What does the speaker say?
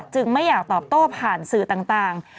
ไม่อยากตอบโต้ผ่านสื่อต่าง